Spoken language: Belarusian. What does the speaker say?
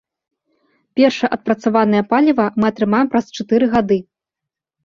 Першае адпрацаванае паліва мы атрымаем праз чатыры гады.